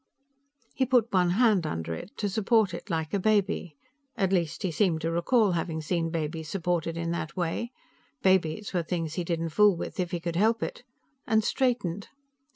He put one hand under it, to support it like a baby at least, he seemed to recall having seen babies supported in that way; babies were things he didn't fool with if he could help it and straightened.